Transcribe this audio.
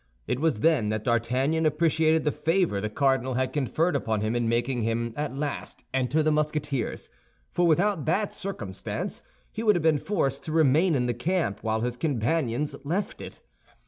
It was then that D'Artagnan appreciated the favor the cardinal had conferred upon him in making him at last enter the Musketeers—for without that circumstance he would have been forced to remain in the camp while his companions left it.